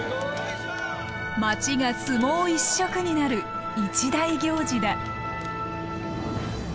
町が相撲一色になる一大行事だ。